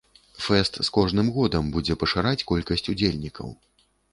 Фэст з кожным годам будзе пашыраць колькасць удзельнікаў.